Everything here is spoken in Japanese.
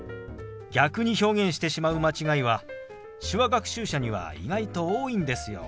逆に表現してしまう間違いは手話学習者には意外と多いんですよ。